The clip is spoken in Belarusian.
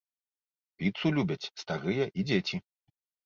Піцу любяць старыя і дзеці.